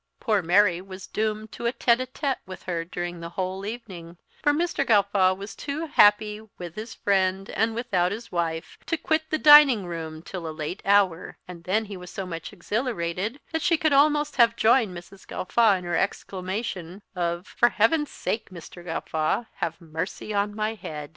Poor Mary was doomed to a tete a tete with her during the whole evening; for Mr. Gawffaw was too happy with his friend, and without his wife, to quit the dining room till a late hour; and then he was so much exhilarated, that she could almost have joined Mrs. Gawffaw in her exclamation of "For heaven's sake, Mr. Gawffaw, have mercy on my head!"